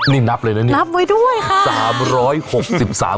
นี่นับเลยนะนี่นับไว้ด้วยค่ะ